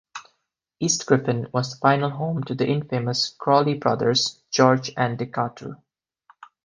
East Griffin was the final home to the infamous Crawley Brothers- George and Decatur.